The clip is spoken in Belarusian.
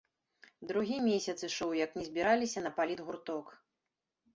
Другі месяц ішоў, як не збіраліся на палітгурток.